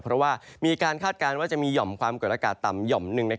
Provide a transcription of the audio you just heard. เพราะว่ามีการคาดการณ์ว่าจะมีห่อมความกดอากาศต่ำหย่อมหนึ่ง